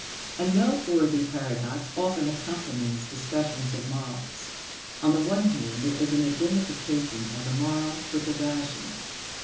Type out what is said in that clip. A noteworthy paradox often accompanies discussions of morals. On the one hand, there is an identification of the moral with the rational.